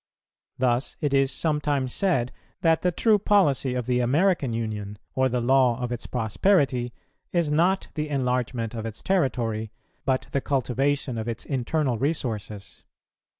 Thus it is sometimes said that the true policy of the American Union, or the law of its prosperity, is not the enlargement of its territory, but the cultivation of its internal resources.